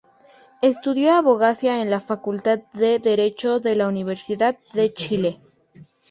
Estudió abogacía en la Facultad de Derecho de la Universidad de Chile.